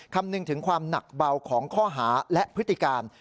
คำนึงถึงความหนักเบาของข้อหาและพฤติการ